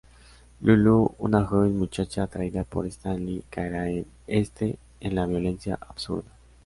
Lulú, una joven muchacha atraída por Stanley, caerá en este en la violencia absurda.